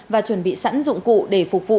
và chuẩn bị sẵn dụng cụ để phục vụ